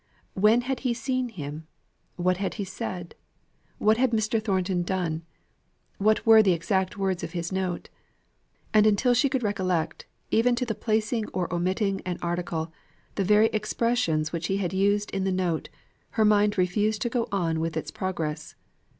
When had he seen him? What had he said? What had Mr. Thornton done? What were the exact words of his note? And until she could recollect, even to the placing or omitting an article, the very expressions which he had used in the note, her mind refused to go on with its progress.